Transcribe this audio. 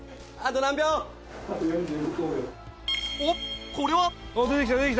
おっこれは